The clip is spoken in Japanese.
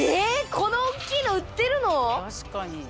この大っきいの売ってるの？